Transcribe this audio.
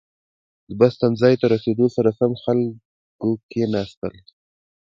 • د بس تمځي ته رسېدو سره سم، خلکو کښېناستل.